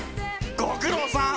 ご苦労さん！